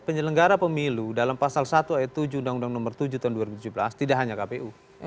penyelenggara pemilu dalam pasal satu ayat tujuh undang undang nomor tujuh tahun dua ribu tujuh belas tidak hanya kpu